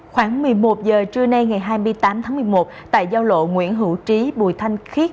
khoảng một mươi một giờ trưa nay ngày hai mươi tám tháng một mươi một tại giao lộ nguyễn hữu trí bùi thanh khiết